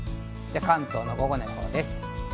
関東の午後の予報です。